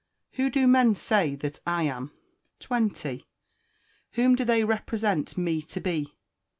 Who do men say that I am? 20. Whom do they represent me to be?